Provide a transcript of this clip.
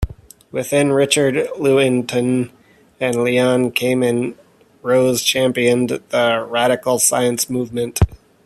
With Richard Lewontin and Leon Kamin, Rose championed the "radical science movement".